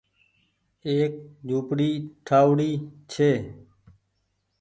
ايڪ جهوپڙي ٺآئوڙي ڇي